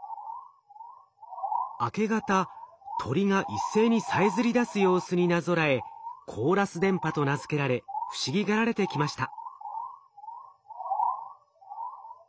明け方鳥が一斉にさえずりだす様子になぞらえコーラス電波と名付けられ不思議がられてきました。